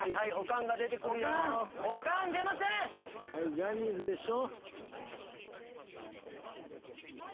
ジャニーズでしょ。